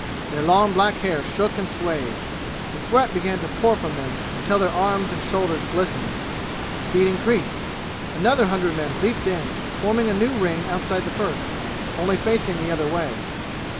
Their long black hair shook and swayed. The sweat began to pour from them until their arms and shoulders glistened. The speed increased. Another hundred men leaped in, forming a new ring outside the first, only facing the other way.